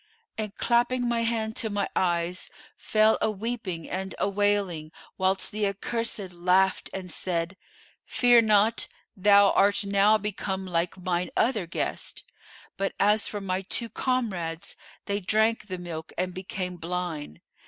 and clapping my hand to my eyes, fell a weeping and a wailing, whilst the accursed laughed and said, 'Fear not, thou art now become like mine other guests.' But, as for my two comrades, they drank the milk and became blind.